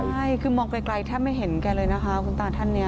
ใช่คือมองไกลแทบไม่เห็นแกเลยนะคะคุณตาท่านนี้